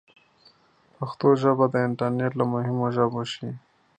پښتو به ژر د انټرنیټ له مهمو ژبو شي.